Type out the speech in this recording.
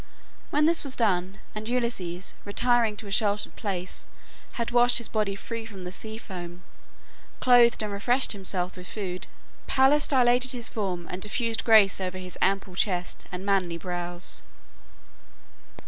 When this was done, and Ulysses, retiring to a sheltered place, had washed his body free from the sea foam, clothed and refreshed himself with food, Pallas dilated his form and diffused grace over his ample chest and manly brows.